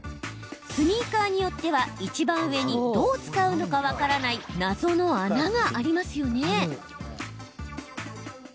スニーカーによってはいちばん上にどう使うのか分からない謎の穴がありますよね？